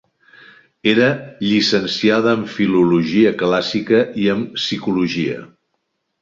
Era llicenciada en Filologia Clàssica i en Psicologia.